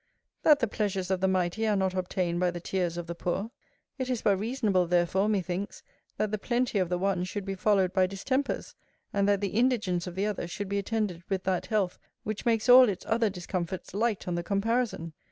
That the pleasures of the mighty are not obtained by the tears of the poor. It is but reasonable, therefore, methinks, that the plenty of the one should be followed by distempers; and that the indigence of the other should be attended with that health, which makes all its other discomforts light on the comparison.